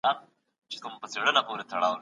پرمختللې ټکنالوژي د صنعت د پراختيا لپاره مهمه ده.